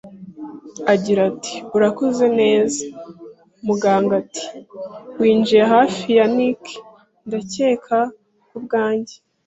Agira ati: “Urakoze neza, muganga. Ati: "Winjiye hafi ya nik, ndakeka, kubwanjye